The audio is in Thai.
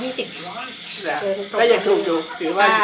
พรุ่งเดี่ยวชาวมา๒๐